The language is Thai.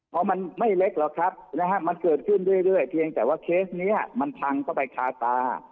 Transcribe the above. เพราะมันไม่เล็กหรอกครับมันเกิดขึ้นเรื่อยเพียงแต่ว่าเคสนี้มันพังเข้าไปคาตา